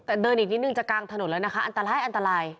แต่เดินอีกนิดนึงจากกลางถนนเลยนะคะอันตราย